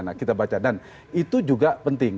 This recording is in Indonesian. nah kita baca dan itu juga penting